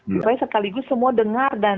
supaya sekaligus semua dengar dan